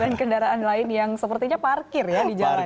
dan kendaraan lain yang sepertinya parkir ya di jalan